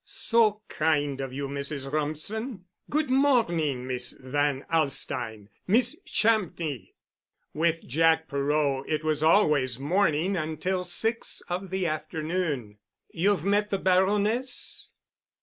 "So kind of you, Mrs. Rumsen. Good morning, Miss Van Alstyne—Miss Champney" (with Jack Perot it was always morning until six of the afternoon). "You've met the Baroness?"